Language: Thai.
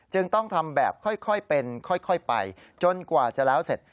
จึงต้องทำแบบค่อยเป็นค่อยไปจนกว่าจะแล้วเสร็จ